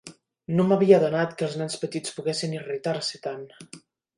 No m'havia adonat que els nens petits poguessin irritar-se tant.